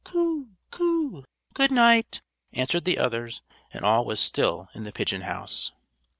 "Coo, coo! Good night!" answered the others; and all was still in the pigeon house.